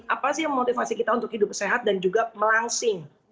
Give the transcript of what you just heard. apa sih yang memotivasi kita untuk hidup sehat dan juga melangsing